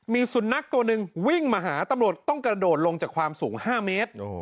มีสุนัขตัวหนึ่งวิ่งมาหาตำรวจต้องกระโดดลงจากความสูง๕เมตร